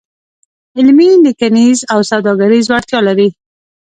علمي، لیکنیز او سوداګریز وړتیا لري.